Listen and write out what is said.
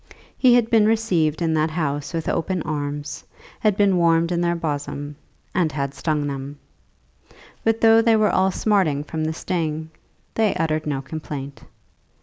He had been received in that house with open arms, had been warmed in their bosom, and had stung them; but though they were all smarting from the sting, they uttered no complaint.